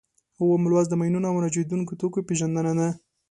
اووم لوست د ماینونو او ناچاودو توکو پېژندنه ده.